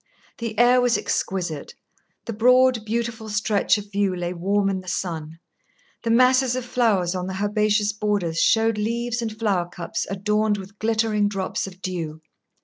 The air was exquisite, the broad, beautiful stretch of view lay warm in the sun, the masses of flowers on the herbaceous borders showed leaves and flower cups adorned with glittering drops of dew.